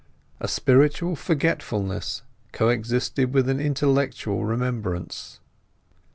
A spiritual forgetfulness co existed with an intellectual remembrance.